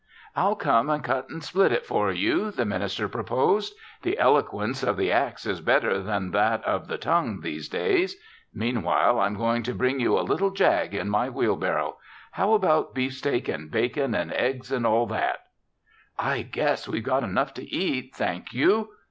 "I'll come and cut and split it for you," the minister proposed. "The eloquence of the axe is better than that of the tongue these days. Meanwhile, I'm going to bring you a little jag in my wheelbarrow. How about beefsteak and bacon and eggs and all that?" "I guess we've got enough to eat, thank you."